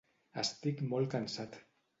Estic molt cansat